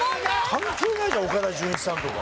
関係ないじゃん岡田准一さんとか。